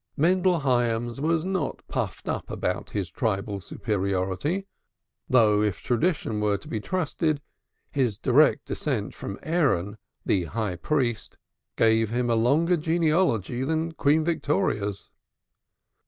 Mendel Hyams was not puffed up about his tribal superiority, though if tradition were to be trusted, his direct descent from Aaron, the High Priest, gave him a longer genealogy than Queen Victoria's.